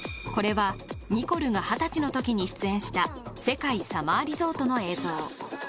これはニコルが二十歳の時に出演した「世界さまぁリゾート」の映像